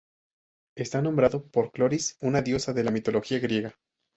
Está nombrado por Cloris, una diosa de la mitología griega.